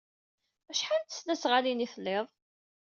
Acḥal n tesnasɣalin ay tlid?